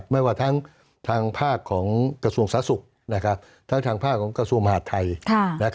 ไม่ว่าทั้งภาคของกระทรวงศาสุกร์ทั้งภาคของกระทรวงมหาดไทย